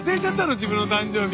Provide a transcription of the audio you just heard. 自分の誕生日。